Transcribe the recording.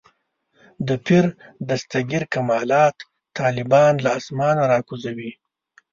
د پیر دستګیر کمالات طالبان له اسمانه راکوزوي.